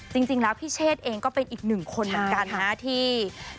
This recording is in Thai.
จริงแล้วพี่เชษเองก็เป็นอีกหนึ่งคนเหมือนกันนะที่